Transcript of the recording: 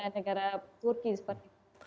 negara turki seperti itu